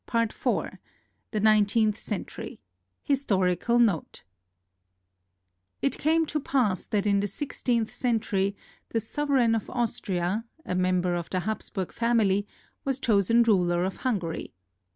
IV THE NINETEENTH CENTURY HISTORICAL NOTE It came to pass that in the sixteenth century the sovereign of Austria, a member of the Hapsburg family, was chosen ruler of Hungary.